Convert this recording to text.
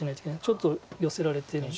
ちょっとヨセられてるんです。